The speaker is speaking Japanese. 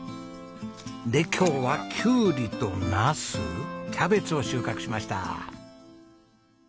で今日はキュウリとナスキャベツを収穫しました。